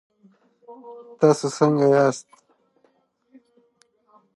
د مور او ماشوم اړیکه قوي کول د بستر پر مهال اسانه کېږي.